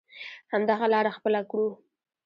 همدغه لاره خپله کړو.